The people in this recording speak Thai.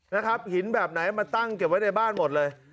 นะครับหินแบบไหนมาตั้งเก็บไว้ในบ้านหมดเลย